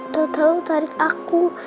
tahu tahu tarik aku